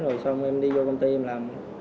rồi xong em đi vô công ty em làm